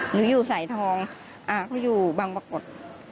หนูอยู่สายทองเขาอยู่บังปรากฏ